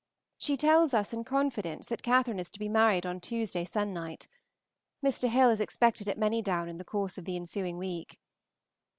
She tells us in confidence that Catherine is to be married on Tuesday se'nnight. Mr. Hill is expected at Manydown in the course of the ensuing week.